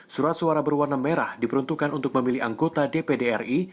surat suara berwarna merah diperuntukkan untuk memilih anggota dpd ri